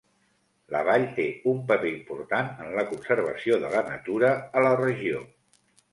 La vall té un paper important en la conservació de la natura a la regió.